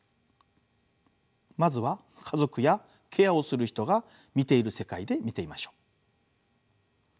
まずは家族やケアをする人が見ている世界で見てみましょう。